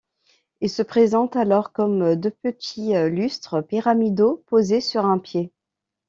Ils se présentent alors comme de petits lustres pyramidaux posés sur un pied.